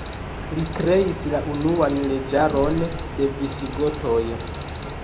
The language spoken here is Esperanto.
Li kreis la unuan leĝaron de Visigotoj.